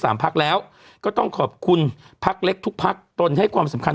พักแล้วก็ต้องขอบคุณพักเล็กทุกพักตนให้ความสำคัญ